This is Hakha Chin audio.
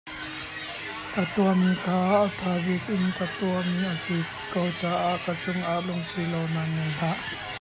Ka tuahmi kha a ṭha bik in ka tuahmi a si ko caah ka cungah lungsilonak ngei hlah.